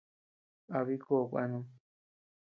Abi kó kuenud.